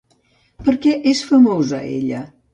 Per què és famosa ella?